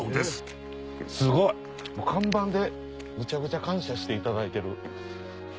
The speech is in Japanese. すごい看板でめちゃくちゃ感謝していただいてる。